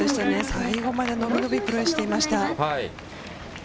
最後までのびのびプレーしていました。